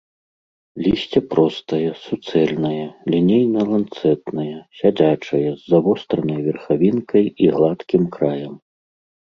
Лісце простае, суцэльнае, лінейна-ланцэтнае, сядзячае, з завостранай верхавінкай і гладкім краем.